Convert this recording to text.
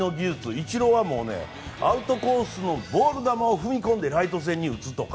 イチローはアウトコースのボールを踏み込んでライト線に打つと。